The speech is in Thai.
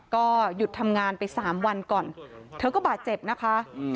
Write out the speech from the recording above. ก็หยุดทำงานไปสามวันก่อนเธอก็บาดเจ็บนะคะ